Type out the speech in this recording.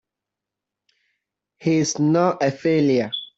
He's not a failure!